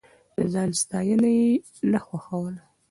د ځان ستاينه يې نه خوښوله.